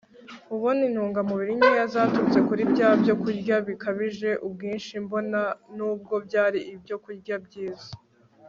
ubona intungamubiri nkeya zaturutse kuri bya byokurya bikabije ubwinshi, bona n'ubwo byari ibyokurya byiza